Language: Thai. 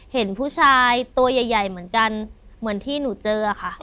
เห็นผู้ชายตัวใหญ่เหมือนกันเหมือนที่หนูเจอค่ะ